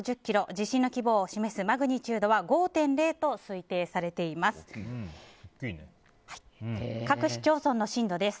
地震の規模を示すマグニチュードは５．０と推定されています。